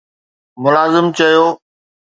ملازم چيو